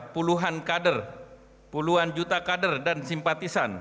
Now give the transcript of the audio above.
puluhan kader puluhan juta kader dan simpatisan